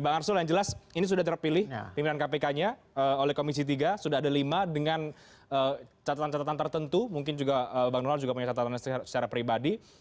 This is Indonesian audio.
bang arsul yang jelas ini sudah terpilih pimpinan kpk nya oleh komisi tiga sudah ada lima dengan catatan catatan tertentu mungkin juga bang donald juga punya catatan secara pribadi